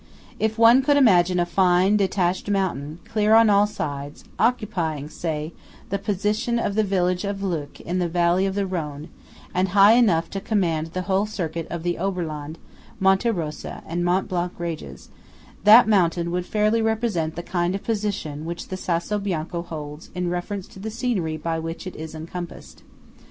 If one could imagine a fine, detached mountain, clear on all sides, occupying, say, the position of the village of Leuk in the valley of the Rhone, and high enough to command the whole circuit of the Oberland, Monte Rosa, and Mont Blanc ranges, that mountain would fairly represent the kind of position which the Sasso Bianco holds in reference to the scenery by which it is encompassed.